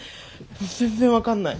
全然分かんない。